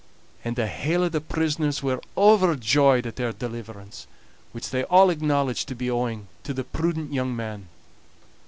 And the hale o' the prisoners were overjoyed at their deliverance, which they all acknowledged to be owing to the prudent young man.